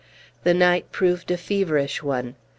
The night proved a feverish one.